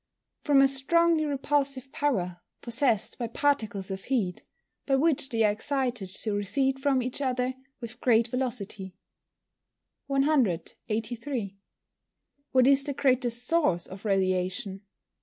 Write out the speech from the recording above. _ From a strongly repulsive power, possessed by particles of heat, by which they are excited to recede from each other with great velocity. 183. _What is the greatest source of Radiation?